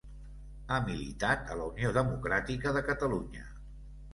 Ha militat a la Unió Democràtica de Catalunya.